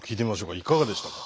いかがでしたか？